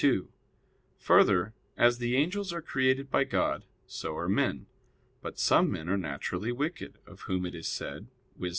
2: Further, as the angels are created by God, so are men. But some men are naturally wicked, of whom it is said (Wis.